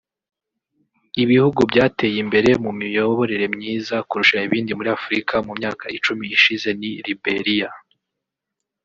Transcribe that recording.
Ibihugu byateye imbere mu miyoborere myiza kurusha ibindi muri Afurika mu myaka icumi ishize ni Liberia